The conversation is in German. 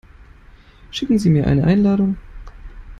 Schicken Sie mir eine Einladung?